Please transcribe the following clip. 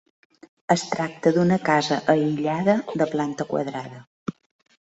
Es tracta d'una casa aïllada de planta quadrada.